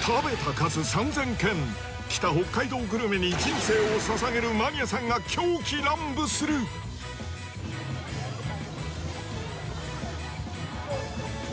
食べた数３０００軒北北海道グルメに人生をささげるマニアさんが狂喜乱舞する・これ！